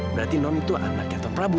berarti non itu anaknya tuan prabu